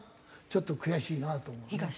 ちょっと悔しいなと思うね。